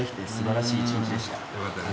よかったです。